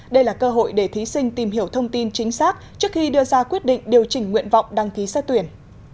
đây là cơ hội để thí sinh tìm hiểu thông tin chính xác trước khi đưa ra quyết định điều chỉnh nguyện vọng đăng ký xét tuyển